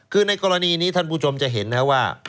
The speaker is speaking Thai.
คือในกรณีนี้ท่านผู้ชมจะเห็นนะครับว่า